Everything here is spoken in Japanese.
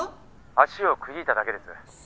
「足をくじいただけです」